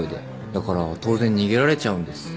だから当然逃げられちゃうんです。